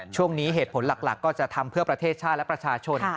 ช่วงนี้เหตุผลหลักก็จะทำเพื่อประเทศชาติและประชาชน